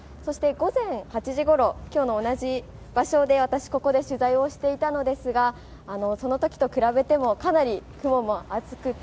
午前８時ごろ、今日の同じ場所で私は取材をしていたのですが、そのときと比べてもかなり雲も厚くて、